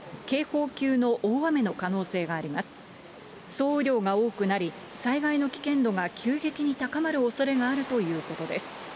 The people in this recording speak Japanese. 総雨量が多くなり、災害の危険度が急激に高まるおそれがあるということです。